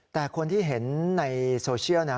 แต่คนที่เห็นในโซเชียลนะ